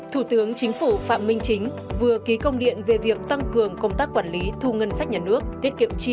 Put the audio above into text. thủ tướng chính phủ phạm minh chính vừa ký công điện về việc tăng cường công tác quản lý thu ngân sách nhà nước tiết kiệm chi